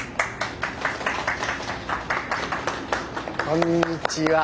こんにちは。